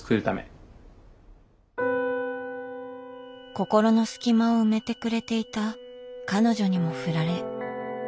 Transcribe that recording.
心の隙間を埋めてくれていた彼女にもふられ。